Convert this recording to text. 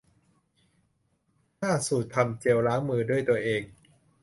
ห้า สูตรทำเจลล้างมือด้วยตัวเอง